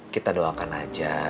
kita doakan aja